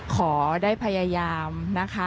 ขอได้พยายามนะคะ